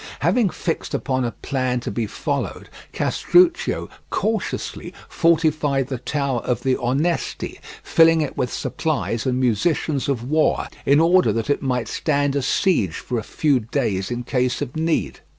Having fixed upon a plan to be followed, Castruccio cautiously fortified the tower of the Onesti, filling it with supplies and munitions of war, in order that it might stand a siege for a few days in case of need.